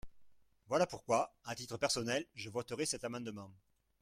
Voilà pourquoi, à titre personnel, je voterai cet amendement.